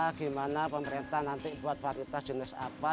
bagaimana pemerintah nanti buat varietas jenis apa